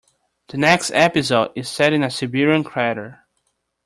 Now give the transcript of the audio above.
The next episode is set in a Siberian crater.